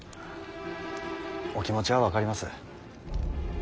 お気持ちは分かります。